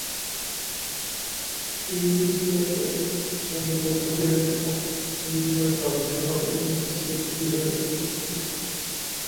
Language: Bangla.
তিনি র্দ্জোগ্স-ছেন বৌদ্ধবিহার নামক র্ন্যিং-মা ধর্মসম্প্রদায়ের অন্যতম প্রধান বৌদ্ধবিহারের একাদশ প্রধান ছিলেন।